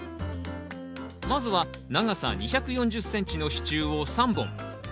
まずは長さ２４０ｃｍの支柱を３本。